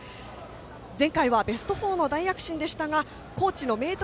前回はベスト４の大躍進でしたが高知の明徳